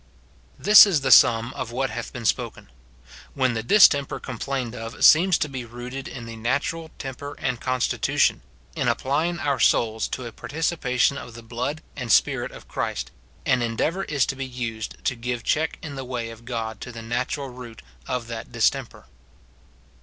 This is the sum of what hath been spoken : When the distemper complained of seems to be rooted in the na tural temper and constitution, in applying our souls to a participation of the blood and Spirit of Christ, an en deavour is to be used to give check in the way of God to the natural root of that distemper.